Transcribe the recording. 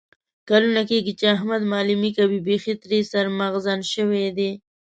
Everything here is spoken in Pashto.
کلونه کېږي چې احمد معلیمي کوي. بیخي ترې سر مغزن شوی دی.